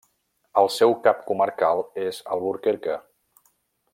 El seu cap comarcal és Alburquerque.